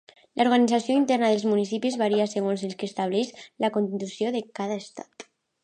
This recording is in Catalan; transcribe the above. L'organització interna dels municipis varia segons el que estableix la constitució de cada estat.